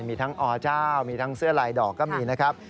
มีทั้งอเจ้ามีทั้งเสื้อลายดอกก็มีนะครับ